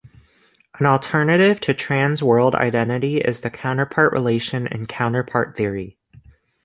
An alternative to trans-world identity is the counterpart relation in Counterpart theory.